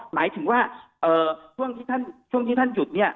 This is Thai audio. หมายถึงว่าช่วงที่ท่านหยุดเนี่ย